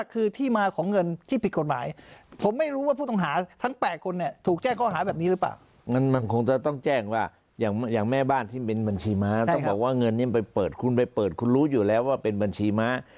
คุณไปเปิดคุณรู้อยู่แล้วว่าเป็นบัญชีม้า